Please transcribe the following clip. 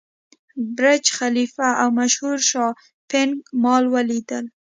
برج خلیفه او مشهور شاپینګ مال ولیدل.